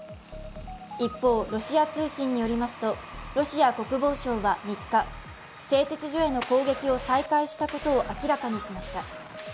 一方、ロシア通信によりますと、ロシア国防省は３日、製鉄所への攻撃を再開したことを明らかにしました。